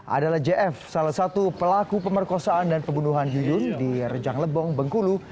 adalah jf salah satu pelaku pemerkosaan dan pembunuhan yuyun di rejang lebong bengkulu